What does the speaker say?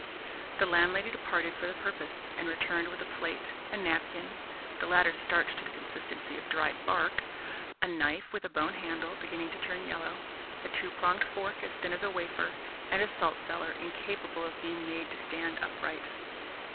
The landlady departed for the purpose, and returned with a plate, a napkin (the latter starched to the consistency of dried bark), a knife with a bone handle beginning to turn yellow, a two pronged fork as thin as a wafer, and a salt cellar incapable of being made to stand upright.